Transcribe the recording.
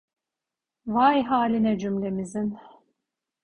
Vay haline cümlemizin…